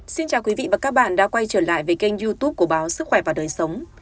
xin chào quý vị và các bạn đã quay trở lại với kênh youtube của báo sức khỏe và đời sống